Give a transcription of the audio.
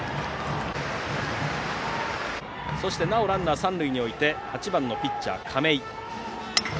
そしてなおランナーを三塁に置いて８番のピッチャー、亀井。